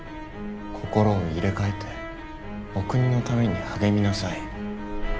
心を入れ替えてお国のために励みなさい。